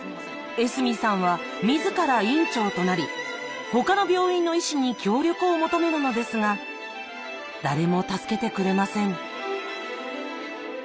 江角さんは自ら院長となり他の病院の医師に協力を求めるのですが誰も助けてくれません。